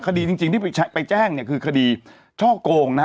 จริงที่ไปแจ้งเนี่ยคือคดีช่อกงนะฮะ